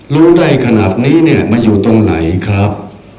รู้ได้ขนาดนี้เนี่ยมันอยู่ตรงไหนครับ